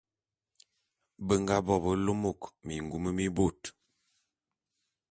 Be nga bo be lômôk mingum mi bôt.